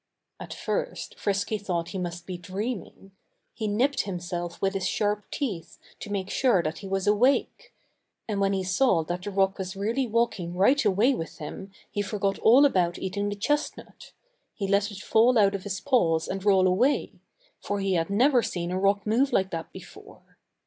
At first Frisky thought he must be dreaming. He nipped himself with his sharp teeth to make sure that he was awake. And when he saw that the rock was really walking right away with him he forgot all about eating the chestnut. He let it fall out of his paws and roll away; for he had never seen a rock move like that before.